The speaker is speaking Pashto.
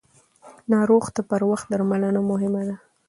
ناروغ ته پر وخت درملنه مهمه ده.